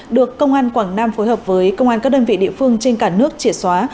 được công an quảng nam phối hợp với công an các đơn vị địa phương trên cả nước chỉa xóa